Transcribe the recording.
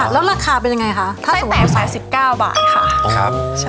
แล้วราคาเป็นไอ้ไตก๓๙บาท